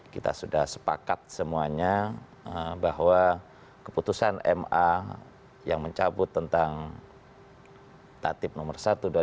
kita sudah sepakat semuanya bahwa keputusan ma yang mencabut tentang tatib nomor satu dua ribu